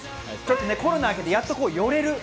コロナあけて、やっと寄れる。